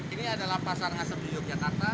ini adalah pasar ngasem di yogyakarta